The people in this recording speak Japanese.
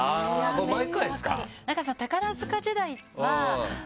これ毎回ですか？